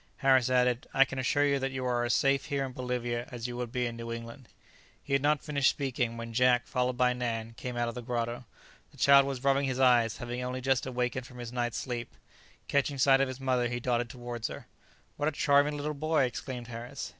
Harris added, "I can assure you that you are as safe here in Bolivia as you would be in New England." He had not finished speaking, when Jack, followed by Nan, came out of the grotto. The child was rubbing his eyes, having only just awakened from his night's sleep. Catching sight of his mother, he darted towards her. "What a charming little boy!" exclaimed Harris.